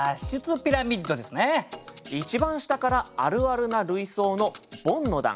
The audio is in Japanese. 一番下からあるあるな類想のボンの段。